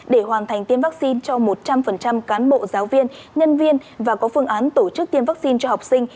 để hoàn thành tiêm vaccine cho một trăm linh cán bộ giáo viên nhân viên và có phương án tổ chức tiêm vaccine cho học sinh